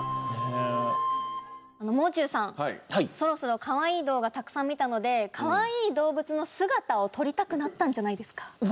もう中さんそろそろかわいい動画たくさん見たのでかわいい動物の姿を撮りたくなったんじゃないですか？